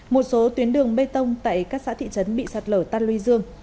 một số tuyến đường bê tông tại các xã thị trấn bị sạt lở tan luy dương